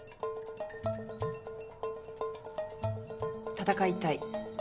闘いたい。